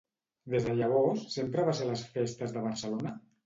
Des de llavors sempre va ser a les festes de Barcelona?